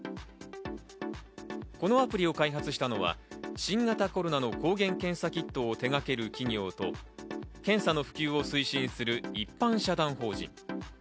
このアプリを開発したのは新型コロナの抗原検査キットを手がける企業と検査の普及を推進する一般社団法人。